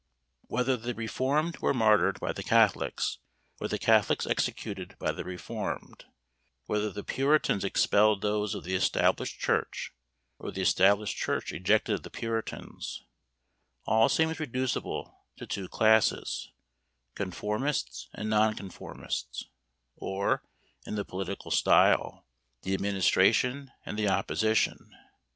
Whether the reformed were martyred by the catholics, or the catholics executed by the reformed; whether the puritans expelled those of the established church, or the established church ejected the puritans, all seems reducible to two classes, conformists and non conformists, or, in the political style, the administration and the opposition.